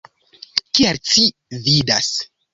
Kiel ci vidas.